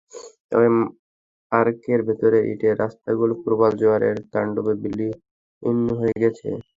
তবে পার্কের ভেতরের ইটের রাস্তাগুলো প্রবল জোয়ারের তাণ্ডবে বিলীন হয়ে গেছে।